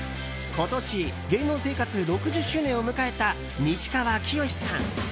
今年芸能生活６０周年を迎えた西川きよしさん。